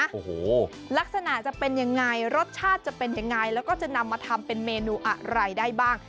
โอ้โหลักษณะจะเป็นยังไงรสชาติจะเป็นยังไงแล้วก็จะนำมาทำเป็นเมนูอะไรได้บ้าง